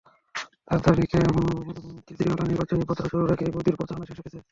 তাঁর দাবি, কেজরিওয়ালের নির্বাচনী প্রচার শুরুর আগেই মোদির প্রচারণা শেষ হয়েছে।